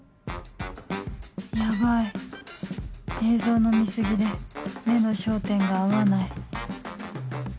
ヤバい映像の見過ぎで目の焦点が合わない